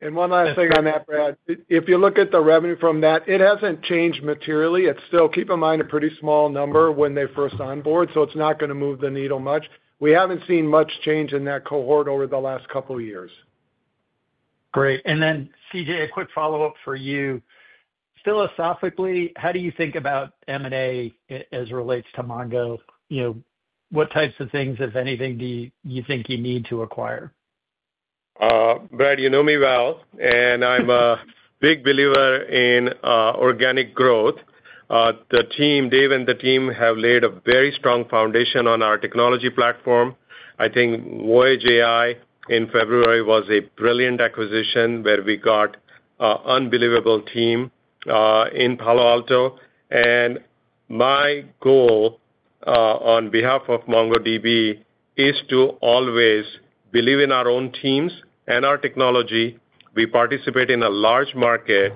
One last thing on that, Brad. If you look at the revenue from that, it hasn't changed materially. It's still, keep in mind, a pretty small number when they first onboard, so it's not going to move the needle much. We haven't seen much change in that cohort over the last couple of years. Great. CJ, a quick follow-up for you. Philosophically, how do you think about M&A as it relates to MongoDB? What types of things, if anything, do you think you need to acquire? Brad, you know me well, and I'm a big believer in organic growth. Dev and the team have laid a very strong foundation on our technology platform. I think Voyage AI in February was a brilliant acquisition where we got an unbelievable team in Palo Alto. My goal on behalf of MongoDB is to always believe in our own teams and our technology. We participate in a large market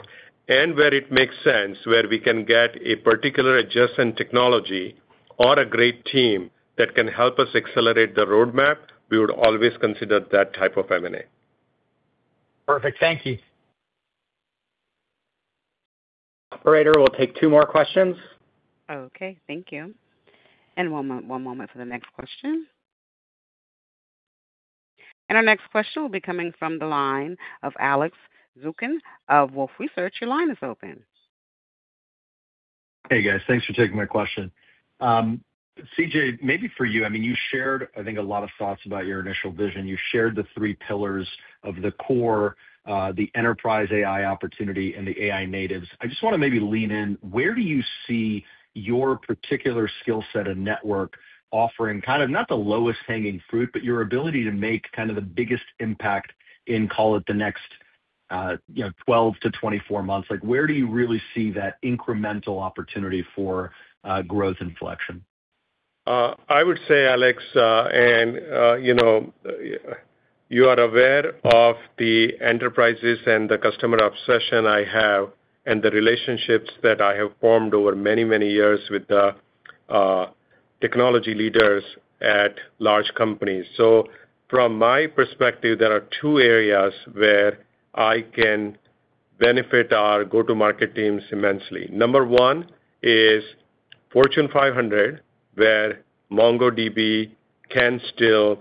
and where it makes sense, where we can get a particular adjacent technology or a great team that can help us accelerate the roadmap. We would always consider that type of M&A. Perfect. Thank you. Operator, we'll take two more questions. Okay. Thank you. One moment for the next question. Our next question will be coming from the line of Alex Zukin of Wolfe Research. Your line is open. Hey, guys. Thanks for taking my question. CJ, maybe for you, I mean, you shared, I think, a lot of thoughts about your initial vision. You shared the three pillars of the core, the enterprise AI opportunity, and the AI natives. I just want to maybe lean in. Where do you see your particular skill set and network offering kind of not the lowest hanging fruit, but your ability to make kind of the biggest impact in, call it, the next 12 to 24 months? Where do you really see that incremental opportunity for growth and flexion? I would say, Alex, and you are aware of the enterprises and the customer obsession I have and the relationships that I have formed over many, many years with the technology leaders at large companies. From my perspective, there are two areas where I can benefit our go-to-market teams immensely. Number one is Fortune 500, where MongoDB can still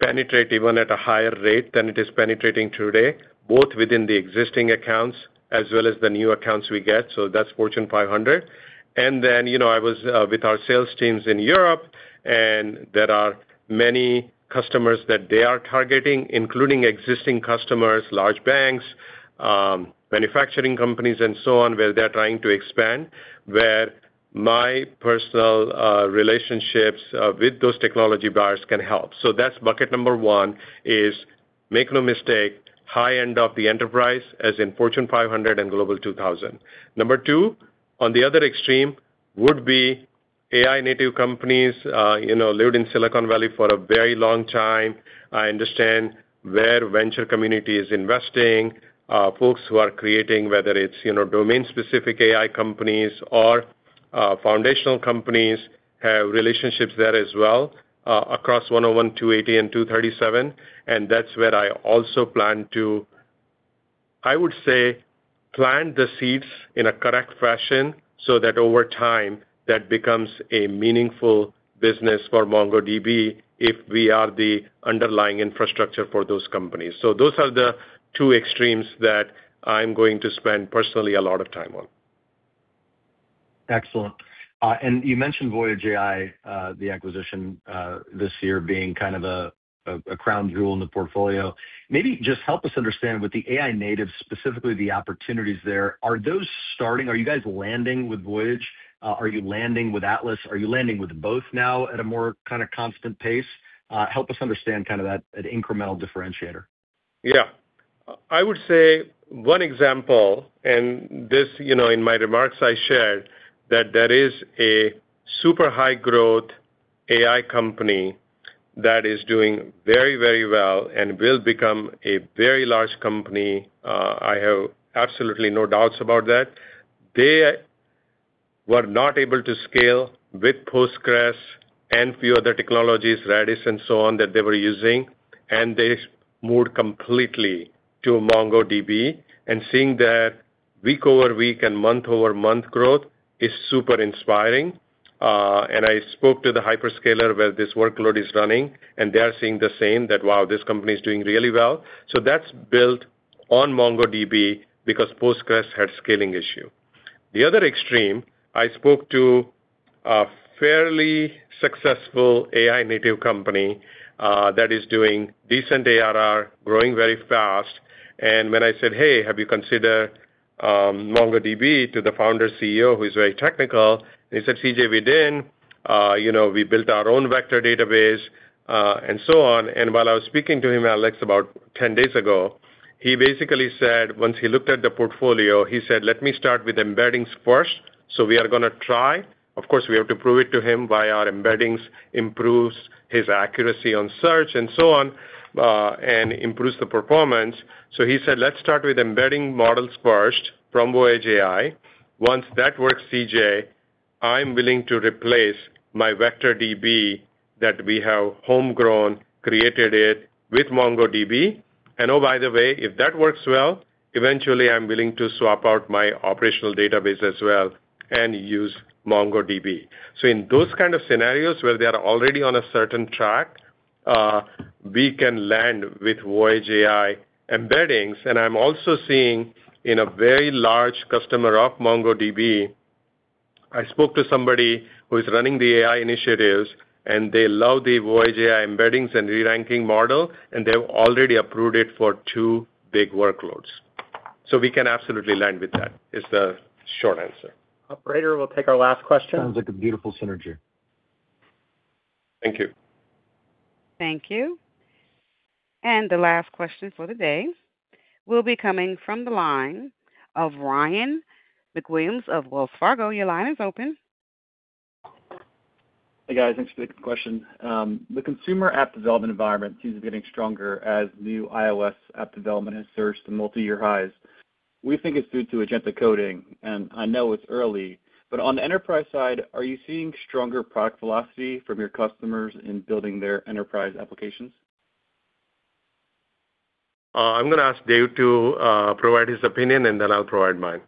penetrate even at a higher rate than it is penetrating today, both within the existing accounts as well as the new accounts we get. That is Fortune 500. I was with our sales teams in Europe, and there are many customers that they are targeting, including existing customers, large banks, manufacturing companies, and so on, where they are trying to expand, where my personal relationships with those technology buyers can help. That's bucket number one is, make no mistake, high end of the enterprise, as in Fortune 500 and Global 2000. Number two, on the other extreme, would be AI-native companies lived in Silicon Valley for a very long time. I understand where venture community is investing. Folks who are creating, whether it's domain-specific AI companies or foundational companies, have relationships there as well across 101, 280, and 237. That's where I also plan to, I would say, plant the seeds in a correct fashion so that over time, that becomes a meaningful business for MongoDB if we are the underlying infrastructure for those companies. Those are the two extremes that I'm going to spend personally a lot of time on. Excellent. You mentioned Voyage AI, the acquisition this year being kind of a crown jewel in the portfolio. Maybe just help us understand with the AI natives, specifically the opportunities there. Are those starting? Are you guys landing with Voyage? Are you landing with Atlas? Are you landing with both now at a more kind of constant pace? Help us understand kind of that incremental differentiator. Yeah. I would say one example, and this in my remarks I shared, that there is a super high-growth AI company that is doing very, very well and will become a very large company. I have absolutely no doubts about that. They were not able to scale with Postgres and a few other technologies, Redis and so on, that they were using, and they moved completely to MongoDB. Seeing that week-over-week and month-over-month growth is super inspiring. I spoke to the hyperscaler where this workload is running, and they are seeing the same, that, wow, this company is doing really well. That is built on MongoDB because Postgres had scaling issues. The other extreme, I spoke to a fairly successful AI-native company that is doing decent ARR, growing very fast. When I said, "Hey, have you considered MongoDB?" to the founder CEO, who is very technical, he said, "CJ, we did. We built our own vector database," and so on. While I was speaking to him, Alex, about 10 days ago, he basically said, once he looked at the portfolio, he said, "Let me start with embeddings first." We are going to try. Of course, we have to prove it to him by our embeddings improves his accuracy on search and so on and improves the performance. He said, "Let's start with embedding models first from Voyage AI. Once that works, CJ, I'm willing to replace my vector DB that we have homegrown, created it with MongoDB. Oh, by the way, if that works well, eventually, I'm willing to swap out my operational database as well and use MongoDB. In those kind of scenarios where they are already on a certain track, we can land with Voyage AI embeddings. I'm also seeing in a very large customer of MongoDB, I spoke to somebody who is running the AI initiatives, and they love the Voyage AI embeddings and re-ranking model, and they've already approved it for two big workloads. We can absolutely land with that is the short answer. Operator, we'll take our last question. Sounds like a beautiful synergy. Thank you. Thank you. The last question for the day will be coming from the line of Ryan MacWilliams of Wells Fargo. Your line is open. Hey, guys. Thanks for the question. The consumer app development environment seems to be getting stronger as new iOS app development has surged to multi-year highs. We think it's due to agentic coding, and I know it's early, but on the enterprise side, are you seeing stronger product velocity from your customers in building their enterprise applications? I'm going to ask Dev to provide his opinion, and then I'll provide mine.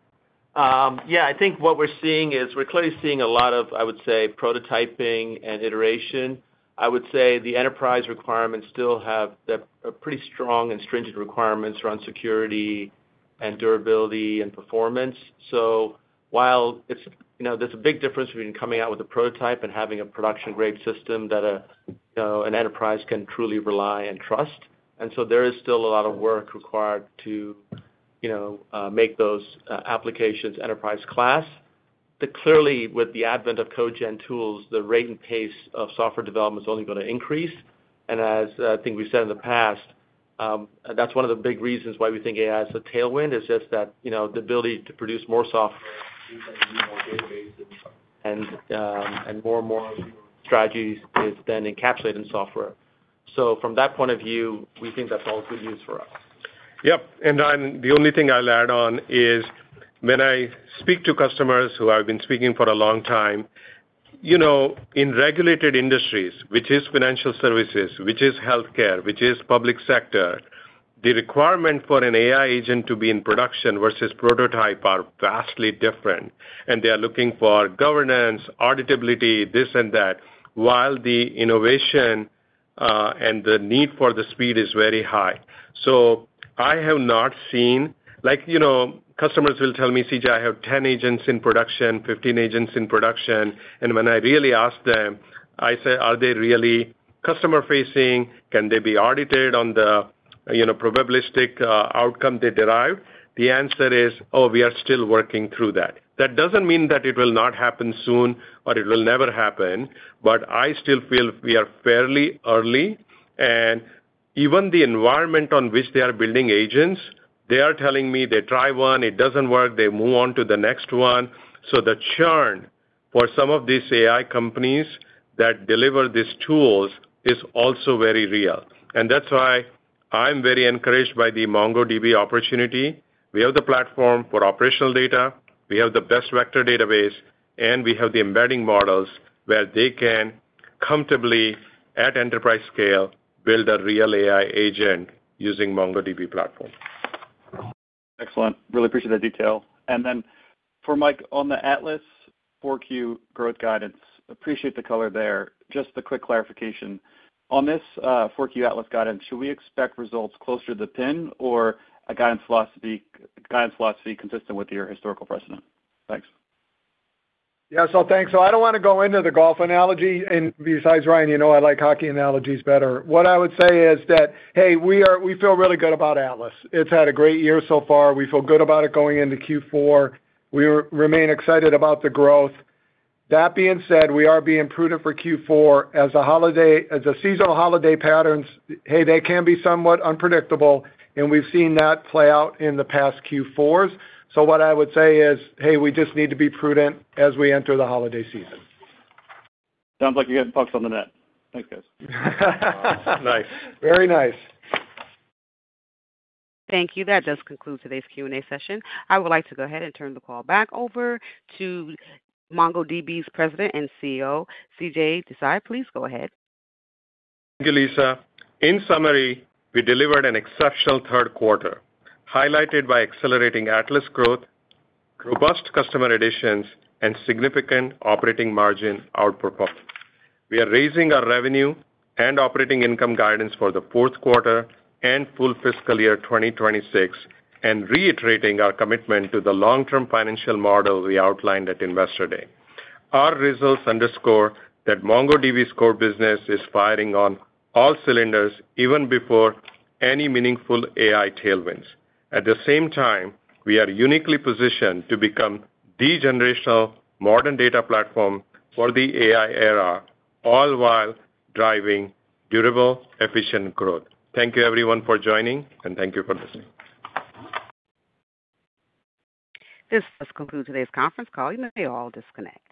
Yeah. I think what we're seeing is we're clearly seeing a lot of, I would say, prototyping and iteration. I would say the enterprise requirements still have pretty strong and stringent requirements around security and durability and performance. There is a big difference between coming out with a prototype and having a production-grade system that an enterprise can truly rely and trust. There is still a lot of work required to make those applications enterprise-class. Clearly, with the advent of code gen tools, the rate and pace of software development is only going to increase. As I think we've said in the past, that's one of the big reasons why we think AI is a tailwind is just that the ability to produce more software and use more databases and more and more strategies is then encapsulated in software. From that point of view, we think that's all good news for us. Yep. The only thing I'll add on is when I speak to customers who I've been speaking for a long time, in regulated industries, which is financial services, which is healthcare, which is public sector, the requirement for an AI agent to be in production versus prototype are vastly different. They are looking for governance, auditability, this and that, while the innovation and the need for the speed is very high. I have not seen customers will tell me, "CJ, I have 10 agents in production, 15 agents in production. And when I really ask them, I say, 'Are they really customer-facing? Can they be audited on the probabilistic outcome they derived?' The answer is, 'Oh, we are still working through that.' That doesn't mean that it will not happen soon or it will never happen, but I still feel we are fairly early. Even the environment on which they are building agents, they are telling me they try one, it does not work, they move on to the next one. The churn for some of these AI companies that deliver these tools is also very real. That is why I am very encouraged by the MongoDB opportunity. We have the platform for operational data. We have the best vector database, and we have the embedding models where they can comfortably, at enterprise scale, build a real AI agent using the MongoDB platform. Excellent. Really appreciate that detail. For Mike on the Atlas 4Q growth guidance, appreciate the color there. Just a quick clarification. On this 4Q Atlas guidance, should we expect results closer to the pin or a guidance philosophy consistent with your historical precedent? Thanks. Yeah. So thanks. I do not want to go into the golf analogy. Besides, Ryan, you know I like hockey analogies better. What I would say is that, hey, we feel really good about Atlas. It has had a great year so far. We feel good about it going into Q4. We remain excited about the growth. That being said, we are being prudent for Q4 as a seasonal holiday patterns. Hey, they can be somewhat unpredictable, and we have seen that play out in the past Q4s. What I would say is, hey, we just need to be prudent as we enter the holiday season. Sounds like you're getting pucks on the net. Thanks, guys. Nice. Very nice. Thank you. That does conclude today's Q&A session. I would like to go ahead and turn the call back over to MongoDB's President and CEO, CJ Desai. Please go ahead. Thank you, Lisa. In summary, we delivered an exceptional third quarter highlighted by accelerating Atlas growth, robust customer additions, and significant operating margin outperformance. We are raising our revenue and operating income guidance for the fourth quarter and full fiscal year 2026 and reiterating our commitment to the long-term financial model we outlined at Investor Day. Our results underscore that MongoDB's core business is firing on all cylinders even before any meaningful AI tailwinds. At the same time, we are uniquely positioned to become the generational modern data platform for the AI era, all while driving durable, efficient growth. Thank you, everyone, for joining, and thank you for listening. This does conclude today's conference call. You may all disconnect.